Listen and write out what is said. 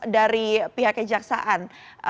dari pihak kejaksaan